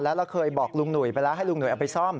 แล้วเราเคยบอกลุงหนุ่ยไปแล้วให้ลุงหนุ่ยเอาไปซ่อม